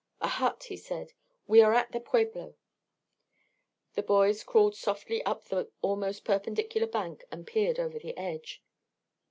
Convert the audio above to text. "A hut," he said. "We are at the pueblo." The boys crawled softly up the almost perpendicular bank and peered over the edge.